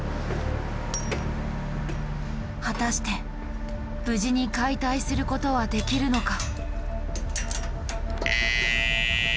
果たして無事に解体することはできるのか？